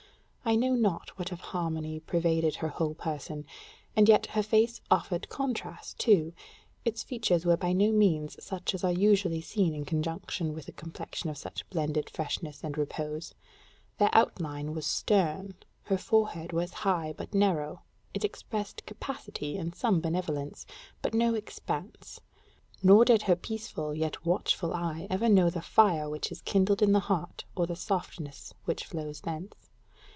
I know not what of harmony pervaded her whole person; and yet her face offered contrast too: its features were by no means such as are usually seen in conjunction with a complexion of such blended freshness and repose: their outline was stern; her forehead was high but narrow; it expressed capacity and some benevolence, but no expanse; nor did her peaceful yet watchful eye ever know the fire which is kindled in the heart or the softness which flows thence.